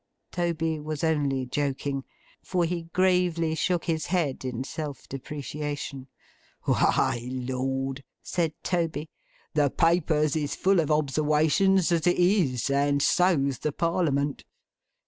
Toby was only joking, for he gravely shook his head in self depreciation. 'Why! Lord!' said Toby. 'The Papers is full of obserwations as it is; and so's the Parliament.